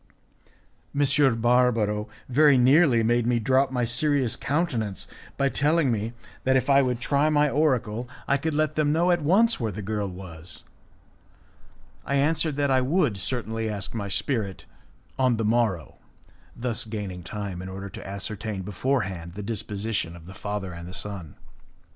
M. Barbaro very nearly made me drop my serious countenance by telling me that if I would try my oracle I could let them know at once where the girl was. I answered that I would certainly ask my spirit on the morrow, thus gaining time in order to ascertain before hand the disposition of the father and of his son.